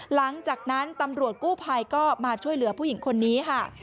หลังจากนั้นตำรวจกู้ภัยก็มาช่วยเหลือผู้หญิงคนนี้ค่ะ